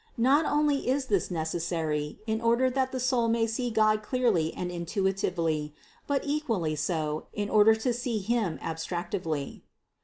Not only is this necessary, in order that the soul may see God clearly and intuitively, but equally so, in order to see Him abstractively.